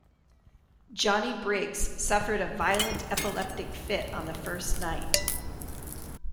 Johnny Briggs suffered a violent epileptic fit on the first night.